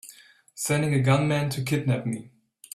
Sending a gunman to kidnap me!